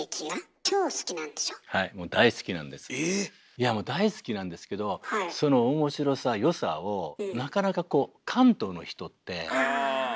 いやもう大好きなんですけどその面白さ良さをなかなかこう関東の人ってやっぱり何だろう